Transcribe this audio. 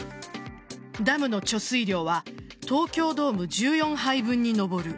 ダムの貯水量は東京ドーム１４杯分に上る。